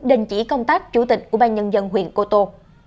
đình chỉ công tác chủ tịch ủy ban nhân dân huyện cô tô